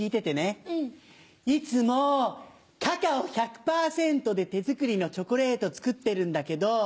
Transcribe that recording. いつもカカオ１００％で手作りのチョコレート作ってるんだけど。